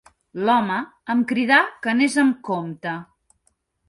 L’home em cridà que anés amb compte